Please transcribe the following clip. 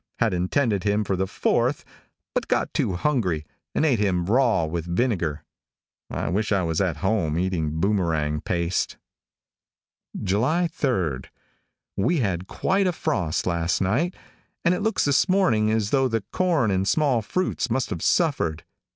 Had intended him for the 4th, but got too hungry, and ate him raw with vinegar; I wish I was at home eating Boomerang paste. July 3. We had quite a frost last night, and it looks this morning as though the corn and small fruits must have suffered.